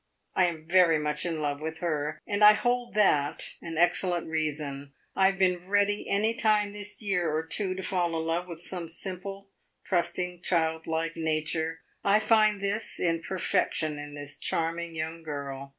I am very much in love with her, and I hold that an excellent reason. I have been ready any time this year or two to fall in love with some simple, trusting, child like nature. I find this in perfection in this charming young girl.